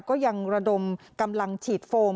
ก็ยังระดมกำลังฉีดโฟม